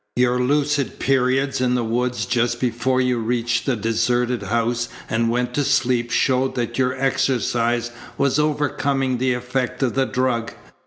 Your lucid period in the woods just before you reached the deserted house and went to sleep showed that your exercise was overcoming the effect of the drug.